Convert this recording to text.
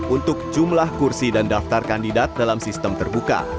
untuk jumlah kursi dan daftar kandidat dalam sistem terbuka